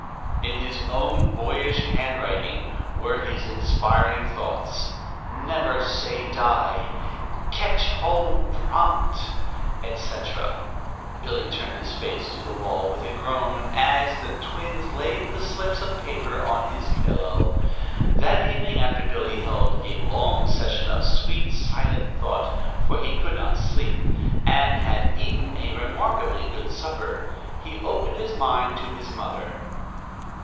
In his own boyish handwriting were his inspiring "thoughts," "Never say die," "Ketch hold prompt," etc. Billy turned his face to the wall with a groan as the twins laid the slips of paper on his pillow. That evening, after Billy had held a long session of sweet, silent thought, for he could not sleep, and had eaten a remarkably good supper, he opened his mind to his mother.